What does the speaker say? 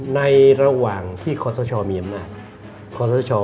ในระหว่างที่ขอร์สชมีอำนาจ